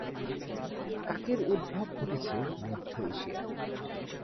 কাকের উদ্ভব ঘটেছে মধ্য এশিয়ায়।